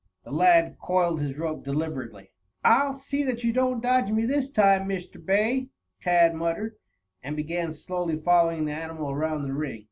The lad coiled his rope deliberately. "I'll see that you don't dodge me this time, Mr. Bay," Tad muttered, and began slowly following the animal about the ring.